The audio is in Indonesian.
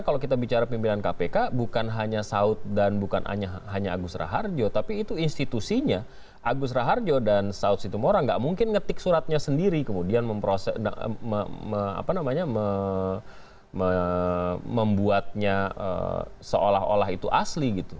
kalau kita bicara pimpinan kpk bukan hanya saud dan bukan hanya agus raharjo tapi itu institusinya agus raharjo dan saud situmorang gak mungkin ngetik suratnya sendiri kemudian membuatnya seolah olah itu asli gitu